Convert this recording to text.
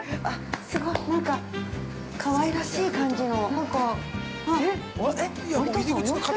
すごい、何かかわいらしい感じの。